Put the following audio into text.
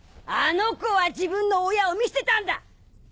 あの子は自分の親を見捨てたんだ！